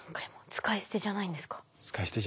使い捨てじゃないです。